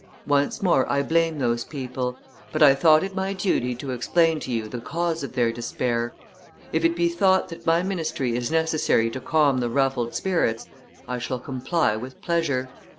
Once more, I blame those people; but I thought it my duty to explain to you the cause of their despair. If it be thought that my ministry is necessary to calm the ruffled spirits, I shall comply with pleasure.